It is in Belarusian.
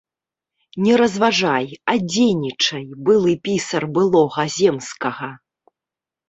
Не разважай, а дзейнічай, былы пісар былога земскага!